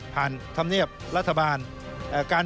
ส่วนต่างกระโบนการ